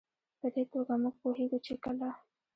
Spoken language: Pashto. په دې توګه موږ پوهېږو چې کله